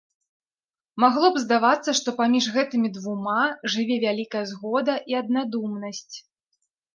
Магло б здавацца, што паміж гэтымі двума жыве вялікая згода і аднадумнасць.